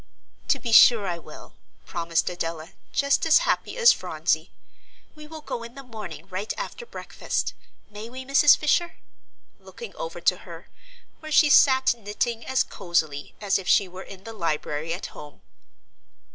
"To be sure I will," promised Adela, just as happy as Phronsie; "we will go in the morning right after breakfast. May we, Mrs. Fisher?" looking over to her, where she sat knitting as cosily as if she were in the library at home.